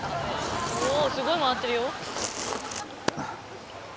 おすごい回ってるよ。